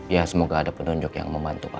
ya semoga ada penunjuk yang membantu pak